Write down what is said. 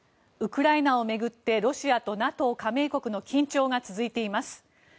ウクライナを巡ってロシアとＮＡＴＯ加盟国の緊張が続いています。